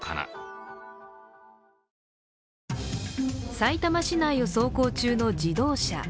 さいたま市内を走行中の自動車。